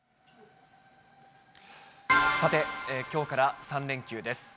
さて、きょうから３連休です。